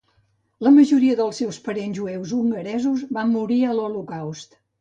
La majoria dels seus parents jueus hongaresos van morir a l'Holocaust.